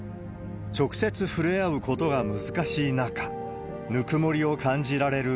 直接触れ合うことが難しい中、ぬくもりを感じられる